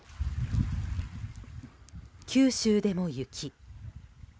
九州でも雪。